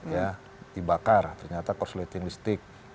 ya dibakar ternyata korsleting listrik